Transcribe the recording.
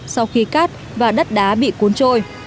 sau khi cát và đất đá bị cuốn trôi